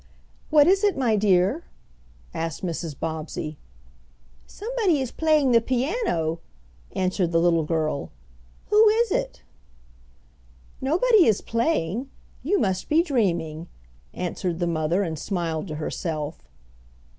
"What is it, my dear?" asked Mrs. Bobbsey. "Somebody is playing the piano," answered the little girl. "Who is it?" "Nobody is playing. You must be dreaming," answered the mother, and smiled to herself.